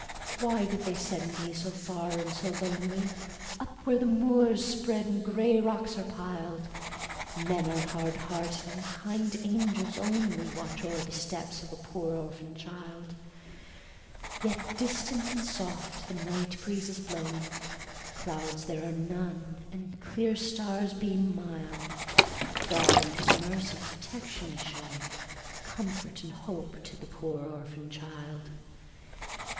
Why did they send me so far and so lonely, Up where the moors spread and grey rocks are piled? Men are hard hearted, and kind angels only Watch o'er the steps of a poor orphan child. Yet distant and soft the night breeze is blowing, Clouds there are none, and clear stars beam mild, God, in His mercy, protection is showing, Comfort and hope to the poor orphan child.